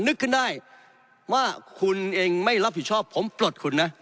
นึกขึ้นได้ว่าคุณเองไม่รับผิดชอบผมปลดคุณนะ